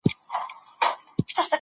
حکومتونه به نړیوالي اړیکي پیاوړي کړي.